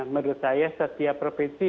menurut saya setiap provinsi